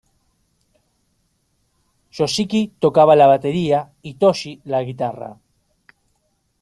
Yoshiki tocaba la batería y Toshi la guitarra.